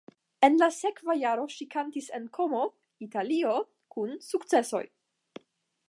En la sekva jaro ŝi kantis en Komo (Italio) kun sukcesoj.